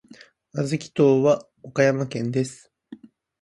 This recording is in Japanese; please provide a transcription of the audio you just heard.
小豆島は岡山県です。